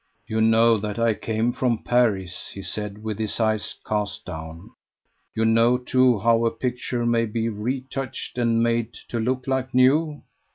"You know that I came from Paris," he said, with his eyes cast down; "you know, too, how a picture may be retouched and made to look like new."